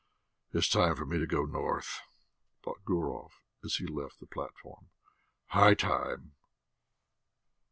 "It's time for me to go north," thought Gurov as he left the platform. "High time!"